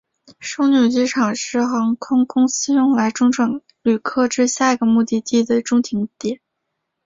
枢纽机场是航空公司用来中转旅客至下一个目的地的中停点。